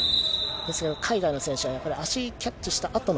ですけど海外の選手はやっぱり足をキャッチしたあとの。